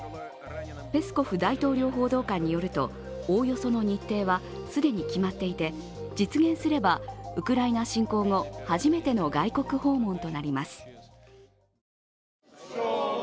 ペスコフ大統領報道官によるとおおよその日程は既に決まっていて実現すれば、ウクライナ侵攻後、初めての外国訪問となります。